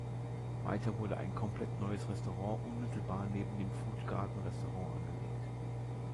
Weiter wurde ein komplett neues Restaurant unmittelbar neben dem Food Garden Restaurant angelegt.